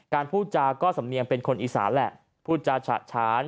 พูดจาก็สำเนียงเป็นคนอีสานแหละพูดจาฉะฉาน